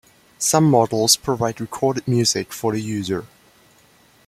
Some models provide recorded music for the user.